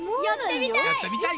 やってみたい！